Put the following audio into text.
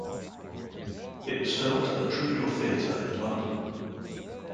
It was filmed at the Troubadour Theatre in London.